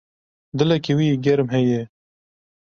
Dilekî wî yê germ heye.